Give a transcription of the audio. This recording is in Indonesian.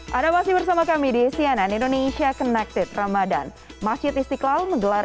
hai ada masih bersama kami di sianan indonesia connected ramadan masjid istiqlal menggelar